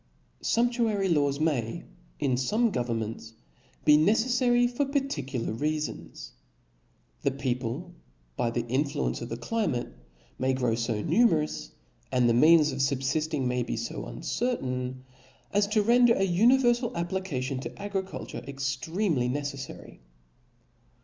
CUMPTUARY laws may^ in fome govern^ ^ rtients, be neceffary for particular reafons. Thd people, by the influence of the climate, may grow fo nuiiierou3, and the means of fubdfting may be fo Uncertain, as to render an univerfal application to agriculture extremely neceffary.